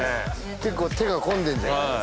結構手が込んでんじゃない？